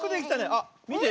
あっみて。